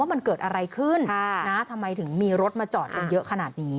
มันเกิดอะไรขึ้นทำไมถึงมีรถมาจอดกันเยอะขนาดนี้